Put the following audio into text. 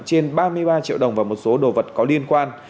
trên ba mươi ba triệu đồng và một số đồ vật có liên quan